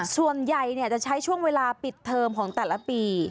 ส่วนใหญ่จะใช้ช่วงเวลาปิดเทอมของแต่ละปี